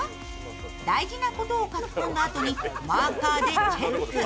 大事なことを書き込んだあとにマーカーでチェック。